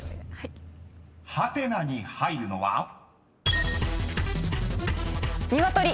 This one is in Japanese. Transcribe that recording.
［ハテナに入るのは？］ニワトリ。